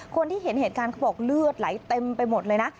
คนที่เห็นเหตุการณ์เขาบอกเลือดไหลเต็มไปหมดเลยนะ